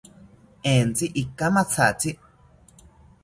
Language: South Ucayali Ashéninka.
Entzi ikamathatzi